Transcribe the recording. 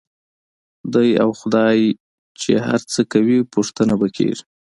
دی او خدای یې چې هر څه کوي، پوښتنه به کېږي.